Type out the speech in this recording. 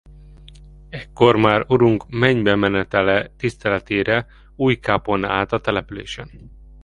Ekkor már Urunk mennybemenetele tiszteletére új kápolna állt a településen.